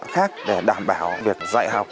khác để đảm bảo việc dạy học